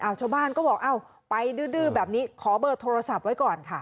ชาวบ้านก็บอกเอ้าไปดื้อแบบนี้ขอเบอร์โทรศัพท์ไว้ก่อนค่ะ